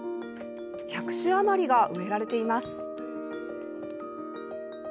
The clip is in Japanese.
１００種余りが植えられています。